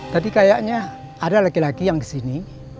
tadi kayaknya ada laki laki yang kesini